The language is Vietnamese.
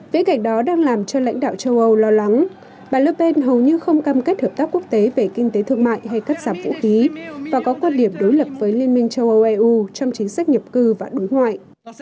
viễn cảnh đó đang làm cho lãnh đạo châu âu lo lắng bà lerpen hầu như không cam kết hợp tác quốc tế về kinh tế thương mại hay cắt giảm vũ khí và có quan điểm đối lập với liên minh châu âu eu trong chính sách nhập cư và đối ngoại